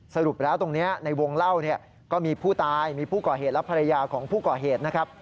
สรุปแล้วตรงนี้ในวงเล่าเนี่ยก็มีผู้ตายมีผู้ก่อเหตุและภรรยาของผู้ก่อเหตุนะครับ